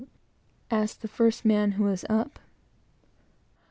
asked the first man who was up.